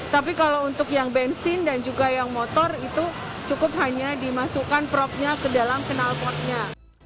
tapi kalau untuk yang bensin dan juga yang motor itu cukup hanya dimasukkan propnya ke dalam kenalpotnya